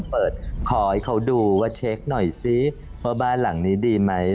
คอยเขาดูว่าเช็คหน่อยซิว่าบ้านหลังนี้ดีไหม